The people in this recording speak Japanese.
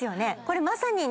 これまさに。